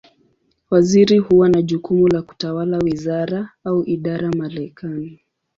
Waziri huwa na jukumu la kutawala wizara, au idara Marekani.